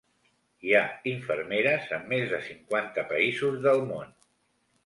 Hi ha infermeres en més de cinquanta països del món.